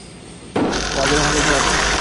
Rider হতে চাস?